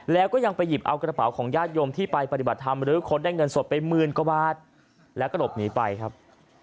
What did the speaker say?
แล้วก็ยังไปหยิบเอากระเป๋าของญาติโยมที่ไปปฏิบัติธรรมหรือคนได้เงินสดไปหมื่นกว่าบาทแล้วก็หลบหนีไปครับ